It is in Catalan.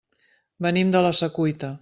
Venim de la Secuita.